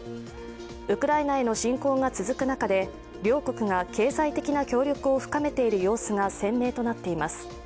ウクライナへの侵攻が続く中で両国が経済的な協力を深めている様子が鮮明となっています。